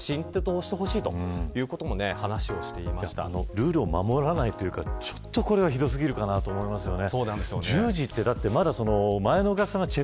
ルールを守らないというかちょっとこれはひどすぎるなと思いますね。